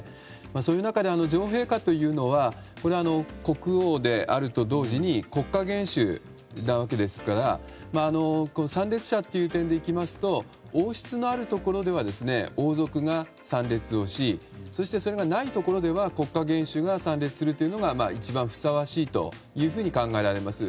そういう中で女王陛下というのは国王であると同時に国家元首なわけですから参列者という点で言いますと王室のあるところでは王族が参列をしそして、それがないところでは国家元首が参列するのが一番ふさわしいと考えられます。